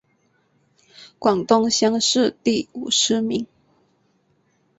广东乡试第五十名。